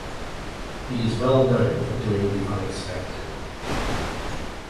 He is well known for doing the unexpected.